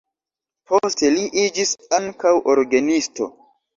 Poste li iĝis ankaŭ orgenisto.